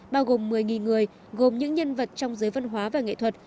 bao gồm một mươi người gồm những nhân vật trong giới văn hóa và nghệ thuật